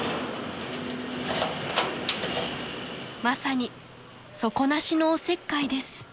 ［まさに底なしのおせっかいです］